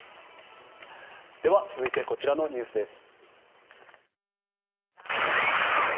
続いて、こちらのニュースです。